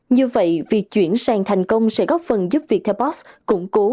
như vậy việc chuyển sang thành công sẽ góp phần giúp viettelbos củng cố